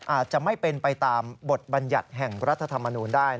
อาจจะไม่เป็นไปตามบทบัญญัติแห่งรัฐธรรมนูลได้